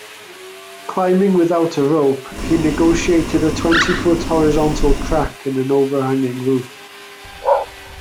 Climbing without a rope, he negotiated a twenty-foot horizontal crack in an overhanging roof.